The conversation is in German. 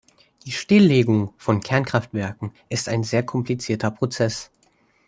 Die Stilllegung von Kernkraftwerken ist ein sehr komplizierter Prozess.